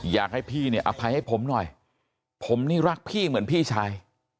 อยากให้พี่เนี่ยอภัยให้ผมหน่อยผมนี่รักพี่เหมือนพี่ชาย